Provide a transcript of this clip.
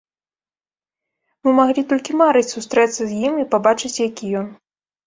Вы маглі толькі марыць сустрэцца з ім і пабачыць, які ён.